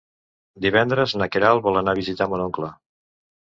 Divendres na Queralt vol anar a visitar mon oncle.